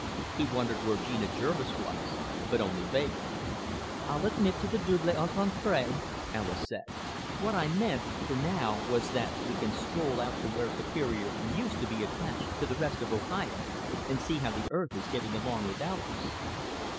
He wondered where Geneva Jervis was, but only vaguely. "I'll admit to the double entendre," Alis said. "What I meant for now was that we can stroll out to where Superior used to be attached to the rest of Ohio and see how the Earth is getting along without us."